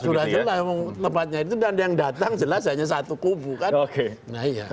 sudah jelas tempatnya itu dan yang datang jelas hanya satu kubu kan